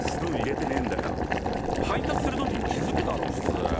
配達するときに気付くだろ普通。